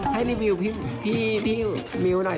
ให้รีวิวพี่มิวหน่อย